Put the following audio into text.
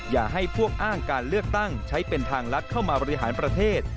อย่าให้พวกอ้างการเลือกตั้งใช้เป็นทางลัดเข้ามาบริหารประเทศ